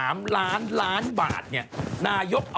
จากธนาคารกรุงเทพฯ